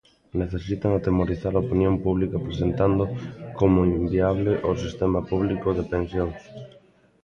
Necesitan atemorizar a opinión pública presentando como inviable o sistema público de pensións.